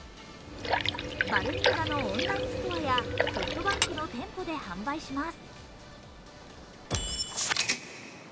バルミューダのオンラインストアやソフトバンクの店舗で販売します。